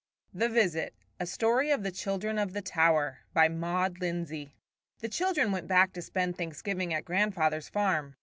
THE VISIT A STORY OF THE CHILDREN OF THE TOWER BY MAUD LINDSAY. The children went back to spend Thanksgiving at grandfather's farm.